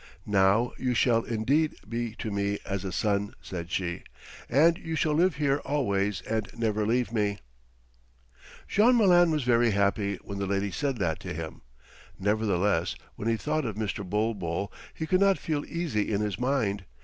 "Now you shall indeed be to me as a son," said she, "and you shall live here always and never leave me." Jean Malin was very happy when the lady said that to him. Nevertheless, when he thought of Mr. Bulbul, he could not feel easy in his mind.